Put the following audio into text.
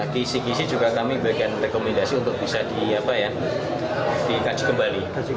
kisi kisi juga kami berikan rekomendasi untuk bisa dikaji kembali